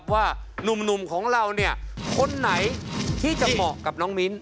ว่านุ่มของเราเนี่ยคนไหนที่จะเหมาะกับน้องมิ้น